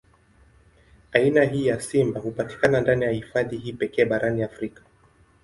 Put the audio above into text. Aina hii ya simba hupatikana ndani ya hifadhi hii pekee barani Afrika.